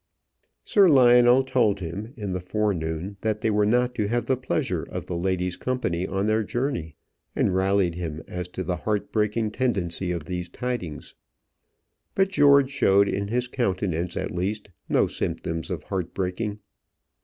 Sir Lionel told him in the forenoon that they were not to have the pleasure of the ladies' company on their journey, and rallied him as to the heart breaking tendency of these tidings. But George showed, in his countenance at least, no symptoms of heart breaking.